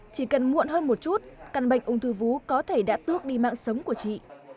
chỉ cần muộn hơn một chút căn bệnh ung thư vú có thể đã tước đi mạng sống của chị